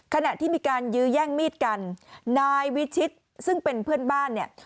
ขณะที่มีการยื้อแย่งมีดกันนายวิชิตซึ่งเป็นเพื่อนบ้านเนี่ย